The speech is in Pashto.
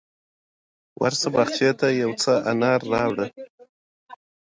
ټپه ده: مادې راتلو لارې څارلې میاشتې دې تېرې کړې کلونه دې شمارمه